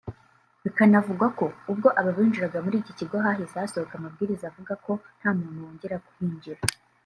Bikanavugwa ko ubwo aba binjiraga muri iki kigo hahise hasohoka amabwiriza avuga ko nta muntu wongera kuhinjira